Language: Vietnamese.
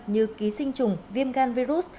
như ký sinh trùng viêm gan virus